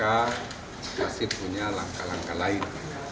kita masih punya langkah langkah lain